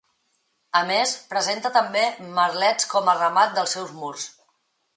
A més, presenta també merlets com a remat dels seus murs.